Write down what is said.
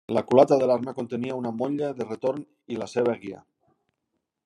La culata de l’arma contenia una molla de retorn i la seva guia.